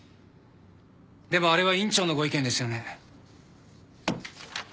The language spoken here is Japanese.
でもあれは院長のご意見ですよね？